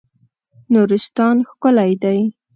نورستان ښکلی دی.